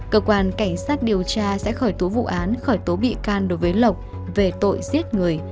cơ quan cảnh sát điều tra sẽ khởi tố vụ án khởi tố bị can đối với lộc về tội giết người